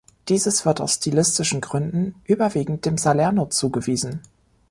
Dieses wird aus stilistischen Gründen überwiegend dem Salerno zugewiesen.